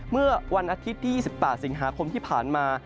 เมื่อวันอาทิตย์ที่๒๘สิงหาคมที่ผ่านมา